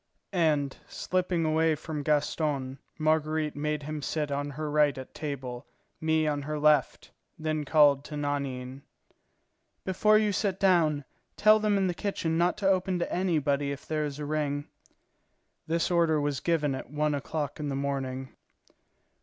And, slipping away from Gaston, Marguerite made him sit on her right at table, me on her left, then called to Nanine: "Before you sit down, tell them in the kitchen not to open to anybody if there is a ring." This order was given at one o'clock in the morning.